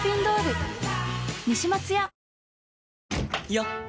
よっ！